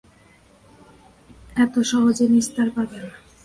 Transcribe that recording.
এত সহজে নিস্তার পাবে না।